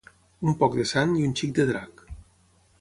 Un poc de Sant i un xic de drac.